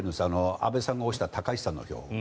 安倍さんが推した高市さんの票を。